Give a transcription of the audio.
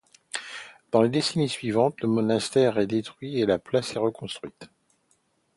Dans les décennies suivantes, le monastère est détruit et la place est reconstruite.